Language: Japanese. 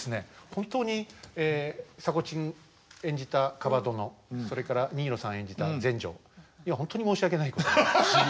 本当に迫ちん演じた蒲殿それから新納さん演じた全成には本当に申し訳ないことをした。